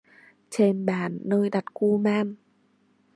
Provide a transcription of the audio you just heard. Trên bàn nơi đặt Kuman